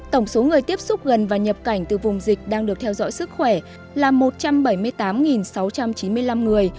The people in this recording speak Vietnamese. tổng số người tiếp xúc gần và nhập cảnh từ vùng dịch đang được theo dõi sức khỏe là một trăm bảy mươi tám sáu trăm chín mươi năm người